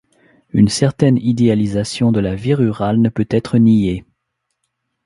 Une certaine idéalisation de la vie rurale ne peut être niée.